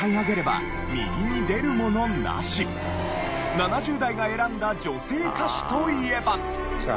７０代が選んだ女性歌手といえば。